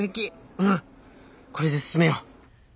うんこれで進めよう！